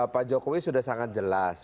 pak jokowi sudah sangat jelas